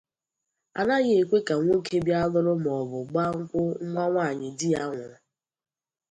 a naghị ekwe ka nwoke bịa lụrụ maọbụ gbaa nkwụ nwa nwaanyị di ya nwụrụ